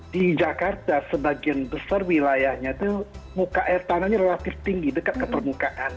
di jakarta sebagian besar wilayahnya itu muka air tanahnya relatif tinggi dekat ke permukaan